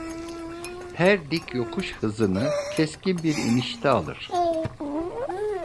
Her dik yokuş hızını, keskin bir inişte alır…